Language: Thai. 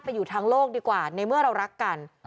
อยู่ทางโลกดีกว่าในเมื่อเรารักกัน